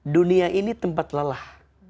dunia ini tempat lelah